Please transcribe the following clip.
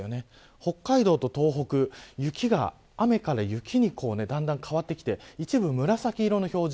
北海道と東北雨から雪にだんだん変わってきて一部、紫色の表示